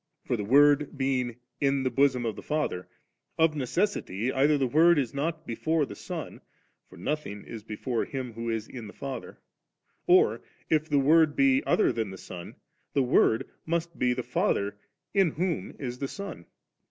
For the Son being <in the bosom of the Father %* of necessity eidier the Word is not before the Son (for nothing is before Him who is in the Father), «r if the Word be other than the Son, the Word must be the Father in whom is the Son.